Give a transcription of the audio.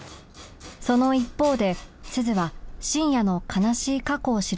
その一方で鈴は深夜の悲しい過去を知る事に